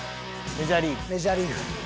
メジャーリーグ。